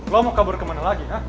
lo mau kabur kemana lagi nak